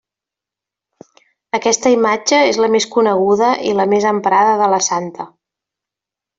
Aquesta imatge és la més coneguda i la més emprada de la Santa.